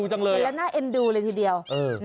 เห็นแล้วน่าเอ็นดูเลยทีเดียว